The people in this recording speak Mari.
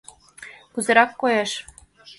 — Кузерак коеш?